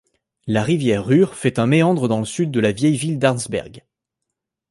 La rivière Ruhr fait un méandre dans le sud de la vieille ville d'Arnsberg.